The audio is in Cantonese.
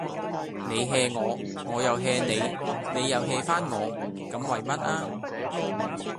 你 hea 我，我 hea 你，你又 hea 返我，咁為乜吖